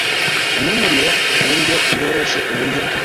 N umuriro ku buryo bworoshye uburyo